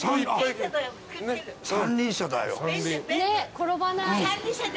転ばない。